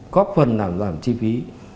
góp phần làm giảm chi phí